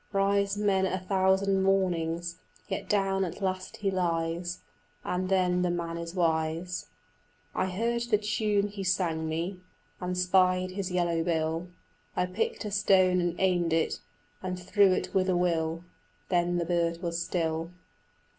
Rise man a thousand mornings Yet down at last he lies, And then the man is wise." I heard the tune he sang me, And spied his yellow bill; I picked a stone and aimed it And threw it with a will: Then the bird was still.